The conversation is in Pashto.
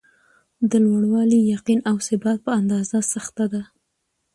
د لوړوالي ،یقین او ثبات په اندازه سخته وي.